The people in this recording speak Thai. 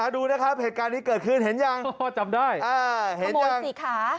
ดูนะครับเหตุการณ์นี้เกิดขึ้นเห็นยังพ่อจำได้เห็นยังสี่ขา